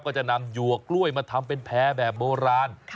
ก็จะนำหยวกกล้วยมาทำเป็นแพร่แบบโบราณ